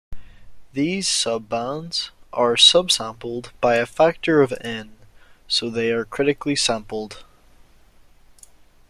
These sub-bands are subsampled by a factor of N, so they are critically sampled.